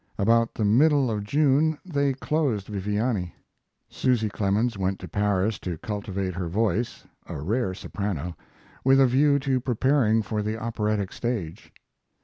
About the muddle of June they closed Viviani. Susy Clemens went to Paris to cultivate her voice, a rare soprano, with a view to preparing for the operatic stage.